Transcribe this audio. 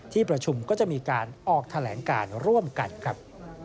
ที่ประชุมก็จะมีการออกแถลงการร่วมกันครับ